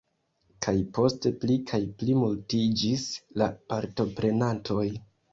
Kaj poste pli kaj pli multiĝis la partoprenantoj.